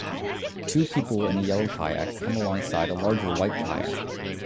Two people in a yellow kayak come along side a larger white kayak